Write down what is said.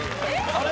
あれ？